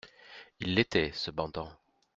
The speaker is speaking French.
Ils l'étaient, cependant.